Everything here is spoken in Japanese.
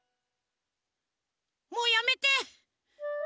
もうやめて！